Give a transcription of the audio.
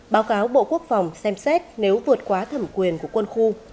báo cáo bộ quốc phòng xem xét nếu vượt quá thẩm quyền của quân khu